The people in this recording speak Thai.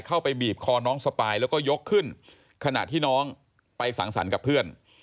บีบคอน้องสปายแล้วก็ยกขึ้นขณะที่น้องไปสังสรรค์กับเพื่อน